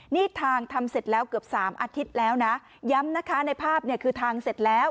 นี่ทางทำเสร็จแล้วเกือบสามอาทิตย์แล้วนะย้ำนะคะในภาพเนี่ยคือทางเสร็จแล้ว